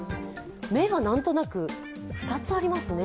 目がなんとなく２つありますね。